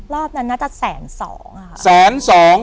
รอบนั้นน่าจะแสนสองค่ะแสนสอง